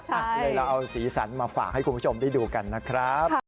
เดี๋ยวเราเอาสีสันมาฝากให้คุณผู้ชมได้ดูกันนะครับ